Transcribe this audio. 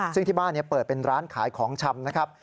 ซึ่งที่บ้านเปิดเป็นร้านขายของชำนะครับ